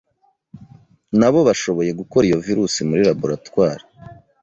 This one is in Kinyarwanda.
na bo bashoboye gukora iyo virusi muri laboratoire